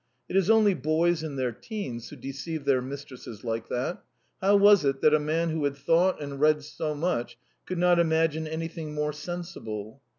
It is only boys in their teens who deceive their mistresses like that. How was it that a man who had thought and read so much could not imagine anything more sensible?